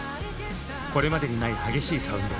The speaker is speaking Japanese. これまでにない激しいサウンド。